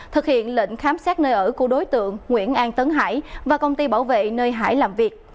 thực hiện lệnh khám xét nơi ở của đối tượng nguyễn an tấn hải và công ty bảo vệ nơi hải làm việc